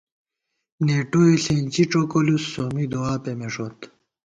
نېٹوئے ݪېنچی ڄوکولُوس، سومّی دُعا پېمېݭوت